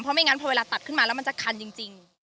ไม่งั้นพอเวลาตัดขึ้นมาแล้วมันจะคันจริง